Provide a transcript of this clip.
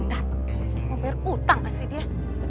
mau bayar hutang kasih dia